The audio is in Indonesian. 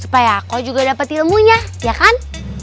supaya kau juga dapat ilmunya ya kan